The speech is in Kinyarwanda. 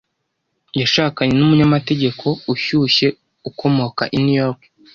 Yashakanye n'umunyamategeko ushyushye ukomoka i New York.